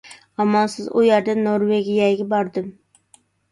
ئامالسىز ئۇ يەردىن نورۋېگىيەگە باردىم.